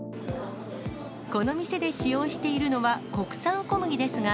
この店で使用しているのは国産小麦ですが、